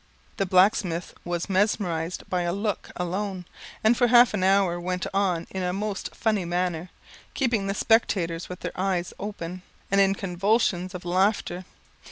The blacksmith was mesmerised by a look alone, and for half an hour went on in a most funny manner, keeping the spectators with their eyes open, and in convulsions of laughter.